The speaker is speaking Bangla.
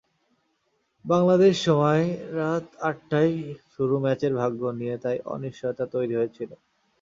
বাংলাদেশ সময় রাত আটটায় শুরু ম্যাচের ভাগ্য নিয়ে তাই অনিশ্চয়তা তৈরি হয়েছিল।